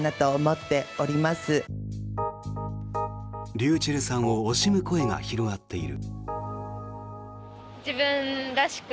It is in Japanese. ｒｙｕｃｈｅｌｌさんを惜しむ声が広がっている。